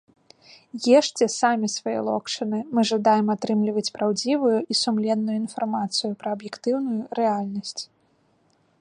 Ешце самі свае локшыны, мы жадаем атрымліваць праўдзівую і сумленную інфармацыю пра аб'ектыўную рэальнасць!